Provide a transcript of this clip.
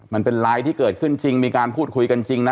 มันเป็นไลน์ที่เกิดขึ้นจริงมีการพูดคุยกันจริงนะ